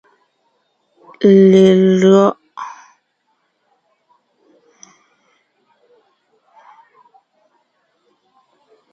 Lelÿɔ’.